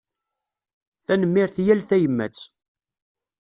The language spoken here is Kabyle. Tanemmirt i yal tayemmat.